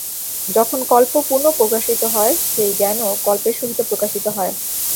যখন কল্প পুনঃপ্রকাশিত হয়, সেই জ্ঞানও কল্পের সহিত প্রকাশিত হয়।